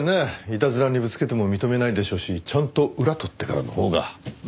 いたずらにぶつけても認めないでしょうしちゃんと裏取ってからのほうが。